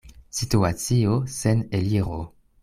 Situacio sen eliro.